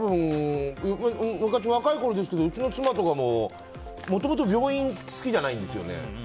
昔、若いころですけどうちの妻とかももともと病院が好きじゃないんですよね。